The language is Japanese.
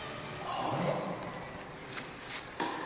はえっ。